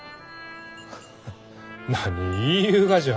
ハハ何言いゆうがじゃ？